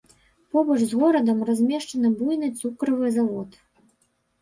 Побач з горадам размешчаны буйны цукровы завод.